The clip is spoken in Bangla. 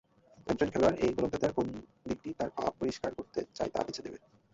একজন খেলোয়াড় এই গোলকধাঁধার কোন দিকটি তারা আবিষ্কার করতে চায় তা বেছে নেবে।